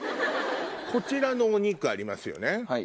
こちらのお肉ありますよね。